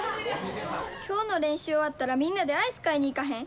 今日の練習終わったらみんなでアイス買いに行かへん？